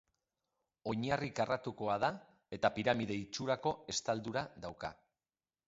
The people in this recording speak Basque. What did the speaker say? Oinarri karratukoa da eta piramide itxurako estaldura dauka.